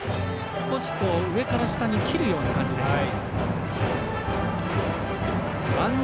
少し上から下に切るような感じでした。